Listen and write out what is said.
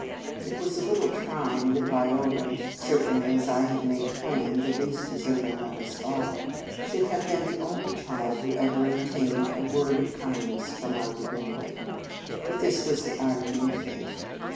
It was a little trying that Viola certainly, as I have made plain, the least deserving of us all should have been the only child who ever obtained a word of kindness from our divinity. But this was the irony of fate.